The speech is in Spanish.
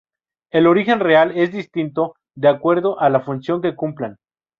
El origen real es distinto de acuerdo a la función que cumplan.